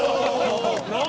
何！？